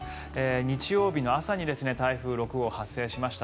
日曜日の朝に台風６号が発生しました。